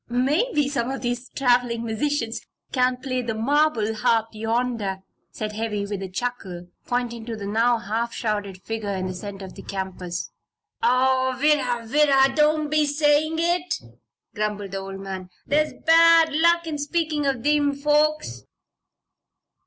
"Maybe some of these traveling musicians can play the marble harp yonder," said Heavy, with a chuckle, pointing to the now half shrouded figure in the center of the campus. "Oh, wirra, wirra! don't be sayin' it," grumbled the old man. "There's bad luck in speakin' of thim folks."